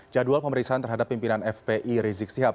jadwal pemeriksaan terhadap pimpinan fpi rizik sihab